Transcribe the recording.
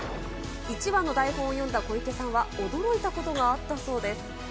１話の台本を読んだ小池さんは驚いたことがあったそうです。